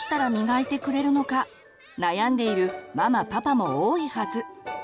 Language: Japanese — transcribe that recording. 悩んでいるママパパも多いはず。